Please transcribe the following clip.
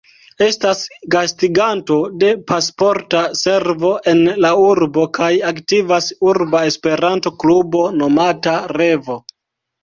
Estas gastiganto de Pasporta Servo en la urbo, kaj aktivas urba Esperanto-Klubo nomata "Revo".